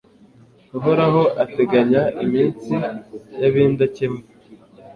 Uhoraho ateganya iminsi y’ab’indakemwa